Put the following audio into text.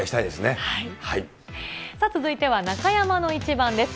続いては中山のイチバンです。